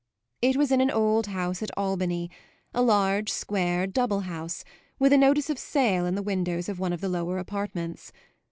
It was in an old house at Albany, a large, square, double house, with a notice of sale in the windows of one of the lower apartments.